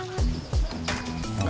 awas delphi udah turun tuh